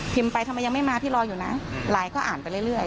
ไปทำไมยังไม่มาพี่รออยู่นะไลน์ก็อ่านไปเรื่อย